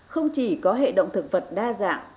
không chỉ có hệ động thực vật đa dạng